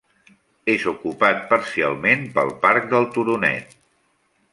És ocupat parcialment pel parc del Turonet.